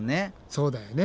そうだよね。